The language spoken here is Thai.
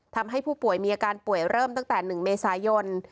ทำให้ผู้ป่วยมีอาการป่วยเริ่มตั้งแต่๑เมษายน